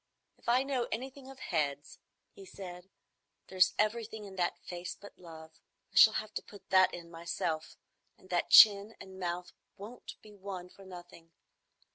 "If I know anything of heads," he said, "there's everything in that face but love. I shall have to put that in myself; and that chin and mouth won't be won for nothing.